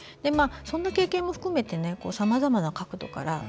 そんな経験も含めてさまざまな角度から